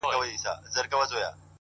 د لرې غره لید د سترګو ستړیا کموي؛